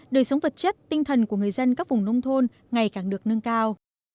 đời sống vật chất tinh thần của người dân các vùng nông thôn ngày càng được nâng cao